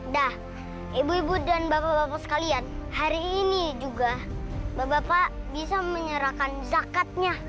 dah ibu ibu dan bapak bapak sekalian hari ini juga bapak bapak bisa menyerahkan zakatnya